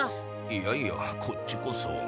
いやいやこっちこそ。